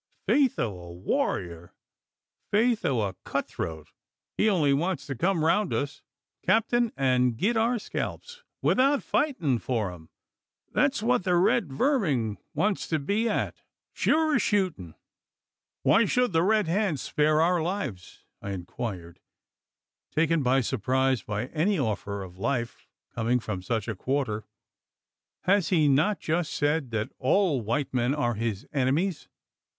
"Faith o' a warrior! faith o' a cut throat! He only wants to come round us, capting, an' git our scalps 'ithout fightin' for 'em thet's what the red verming wants to be at sure as shootin'." "Why should the Red Hand spare our lives?" I enquired, taken by surprise at any offer of life coming from such a quarter. "Has he not just said, that all white men are his enemies?"